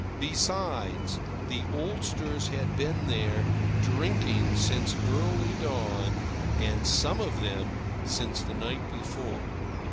Besides, the oldsters had been there, drinking since early dawn, and, some of them, since the night before.